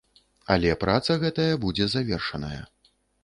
Але праца гэтая будзе завершаная.